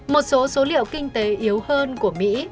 một số số liệu kinh tế yếu hơn của mỹ